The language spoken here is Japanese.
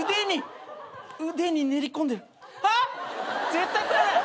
絶対食わない。